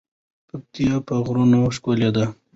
پکتيا په غرونو ښکلی ده.